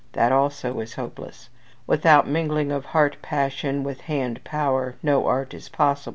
That also is hopeless. Without mingling of heart passion with hand power, no art is possible.